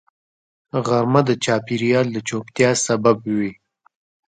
غرمه د چاپېریال د چوپتیا سبب وي